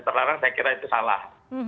terlarang saya kira itu salah